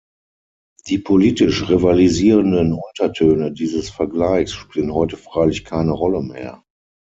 Die politisch rivalisierenden Untertöne dieses Vergleichs spielen heute freilich keine Rolle mehr.